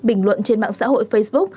bình luận trên mạng xã hội facebook